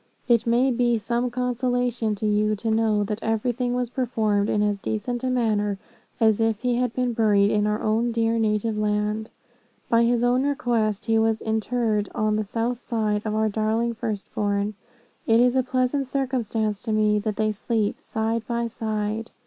It may be some consolation to you to know that everything was performed in as decent a manner, as if he had been buried in our own dear native land. By his own request, he was interred on the south side of our darling first born. It is a pleasant circumstance to me, that they sleep side by side.